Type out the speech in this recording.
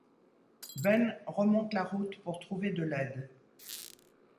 Ben remonte la route pour trouver de l’aide.